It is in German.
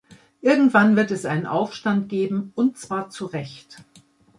Irgendwann wird es einen Aufstand geben, und zwar zu Recht.